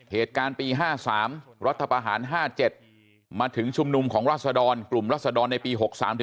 เหตุการณ์ปี๕๓รัฐประหาร๕๗มาถึงชุมนุมของราศดรกลุ่มรัศดรในปี๖๓